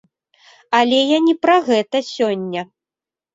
Але я не пра гэта сёння.